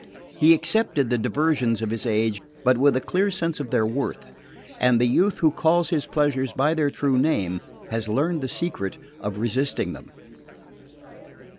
He accepted the diversions of his age, but with a clear sense of their worth; and the youth who calls his pleasures by their true name has learned the secret of resisting them.